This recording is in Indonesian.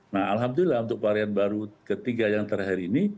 nah alhamdulillah untuk varian baru ketiga yang terakhir ini